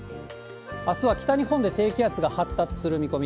あすは北日本で低気圧が発達する見込み。